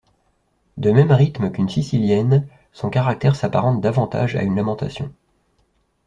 De même rythme qu'une sicilienne, son caractère s'apparente davantage à une lamentation.